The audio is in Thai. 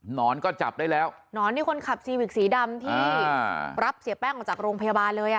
นอนก็จับได้แล้วหนอนนี่คนขับซีวิกสีดำที่รับเสียแป้งออกจากโรงพยาบาลเลยอ่ะ